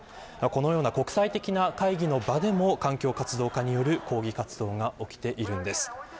このような国際的な会議の場でも環境活動家による抗議活動が起きているんです。